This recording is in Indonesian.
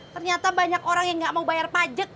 ternyata banyak orang yang gak mau bayar pajek